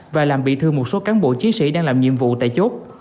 và làm bị thương một số cán bộ chiến sĩ đang làm nhiệm vụ tại chốt